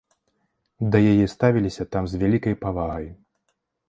Да яе ставіліся там з вялікай павагай.